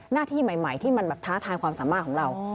หน้าที่ใหม่ที่มันแบบท้าทายความสามารถของเรา